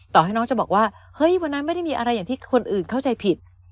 ต่อให้น้องจะบอกว่าเฮ้ยวันนั้นไม่ได้มีอะไรอย่างที่คนอื่นเข้าใจผิด